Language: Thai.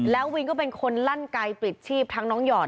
แล้ววินก็เป็นคนลั่นไกลปลิดชีพทั้งน้องหยอด